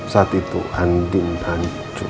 saat itu andin hancur